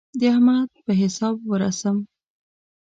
د احمد په حساب ورسم.